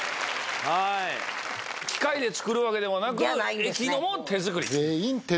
機械で作るわけではなく駅のも手作り？